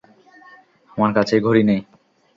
আমার কাছে ঘড়ি নেই।